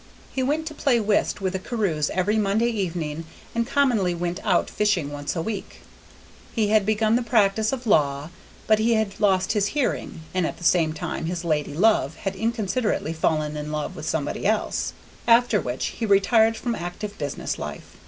He went to play whist with the Carews every Monday evening, and commonly went out fishing once a week. He had begun the practice of law, but he had lost his hearing, and at the same time his lady love had inconsiderately fallen in love with somebody else; after which he retired from active business life.